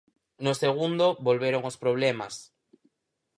No segundo volveron os problemas.